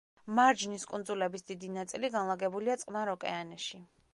მარჯნის კუნძულების დიდი ნაწილი განლაგებულია წყნარ ოკეანეში.